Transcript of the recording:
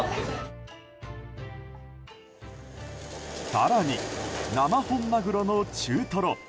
更に、生本マグロの中トロ。